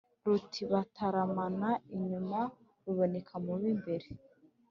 ruti bataramana inyuma, ruboneka mu b'imbere,